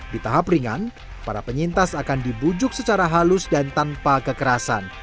di tahap ringan para penyintas akan dibujuk secara halus dan tanpa kekerasan